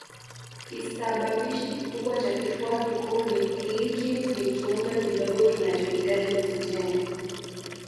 Kisababishi kikubwa cha kifua kikuu ni hiiki ni kiumbe kidogo kinachohitaji oksijeni